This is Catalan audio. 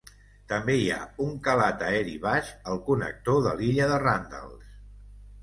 També hi ha un calat aeri baix al connector de l'illa de Randalls.